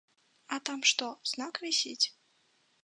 А там што, знак вісіць?